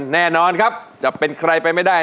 แน่นอนครับจะเป็นใครไปไม่ได้